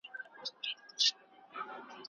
څېړنه اوږد او ستړی کوونکی بهیر دی.